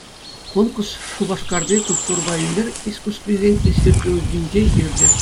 Конкурс Шупашкарти культурӑпа ӳнер искусствисен институтӗнче иртӗ.